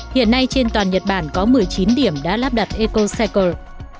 hiện nay trên toàn nhật bản có một mươi chín điểm đã lắp đặt ecocycle